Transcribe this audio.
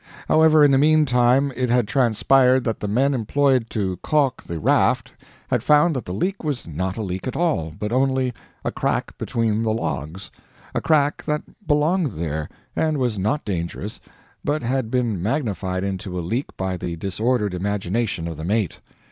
However, in the mean time it had transpired that the men employed to calk the raft had found that the leak was not a leak at all, but only a crack between the logs a crack that belonged there, and was not dangerous, but had been magnified into a leak by the disordered imagination of the mate.